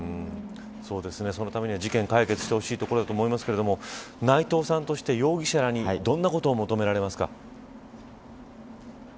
そのためには事件を解決してほしいところだと思いますが内藤さんとして容疑者らにどんなことを求められますか。